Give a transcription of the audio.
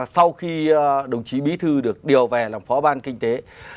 sau khi đồng chí bí thư được điều về làm phó ban kinh tế